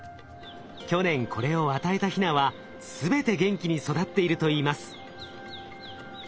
去年これを与えたヒナはすべて元気に育っているといいます。